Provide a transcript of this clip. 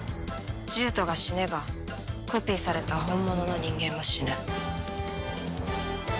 獣人が死ねばコピーされた本物の人間も死ぬ。